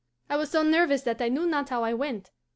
I was so nervous that I knew not how I went.